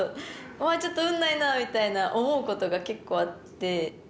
ちょっと運ないなみたいな思うことが結構あって。